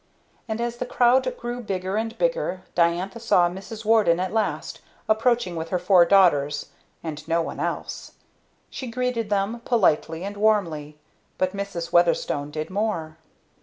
And as the crowd grew bigger and bigger, Diantha saw Mrs. Warden at last approaching with her four daughters and no one else. She greeted them politely and warmly; but Mrs. Weatherstone did more.